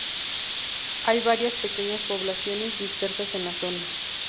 Hay varias pequeñas poblaciones dispersas en la zona.